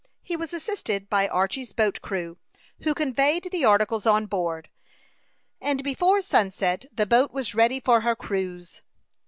He was assisted by Archy's boat crew, who conveyed the articles on board; and before sunset the boat was ready for her cruise.